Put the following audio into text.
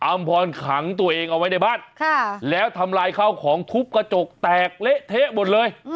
อำพรขังตัวเองเอาไว้ในบ้านแล้วทำลายข้าวของทุบกระจกแตกเละเทะหมดเลย